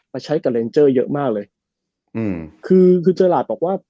ใช้กับเลนเจอร์เยอะมากเลยอืมคือคือเจอหลาดบอกว่า